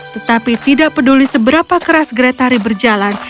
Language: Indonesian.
tetapi tidak peduli seberapa keras gretari berjalan